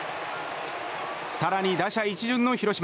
更に打者一巡の広島。